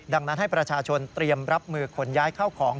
ดังนั้นให้ประชาชนเตรียมรับมือขนย้ายเข้าของ